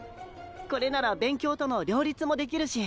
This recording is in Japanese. これなら勉強との両立もできるし。